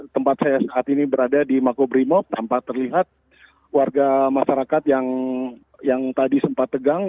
tempat saya saat ini berada di makobrimob tampak terlihat warga masyarakat yang tadi sempat tegang